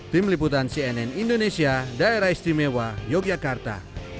tim liputan cnn indonesia daerah istimewa yogyakarta